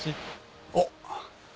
あっ。